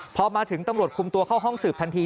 พอมาถึงตำรวจคุมตัวเข้าห้องสืบทันที